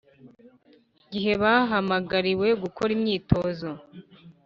gihe bahamagariwe gukora imyitozo